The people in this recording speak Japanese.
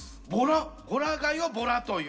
ホラ貝をボラと言う。